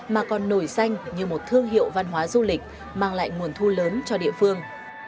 mà còn nổi danh như một thương hiệu văn hóa du lịch mang lại nguồn thu lớn cho địa phương